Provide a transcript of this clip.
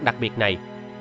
đặc biệt này